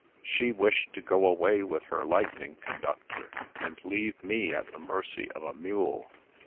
She wished to go away with her Lightning Conductor, and leave me at the mercy of a mule.